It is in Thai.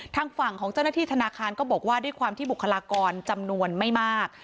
ทางฝั่งของเจ้าหน้าที่ธนาคารก็บอกว่าด้วยความที่บุคลากรจำนวนไม่มาก